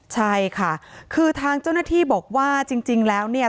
ใช่ค่ะคือทางเจ้าหน้าที่บอกว่าจริงแล้วเนี่ย